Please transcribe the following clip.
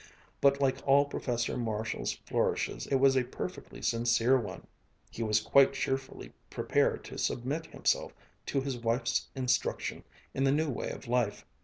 But like all Professor Marshall's flourishes it was a perfectly sincere one. He was quite cheerfully prepared to submit himself to his wife's instruction in the new way of life.